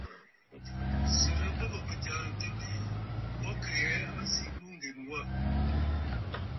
Sɨrɨ bo bɨ̀ bɨ̀jààntə̂ bi bɔ kì ghɛ̀ɛ a nsìʼi mûŋgèn wâ.